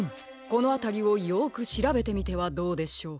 このあたりをよくしらべてみてはどうでしょう？